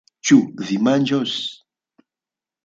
Ĉu vi manĝos?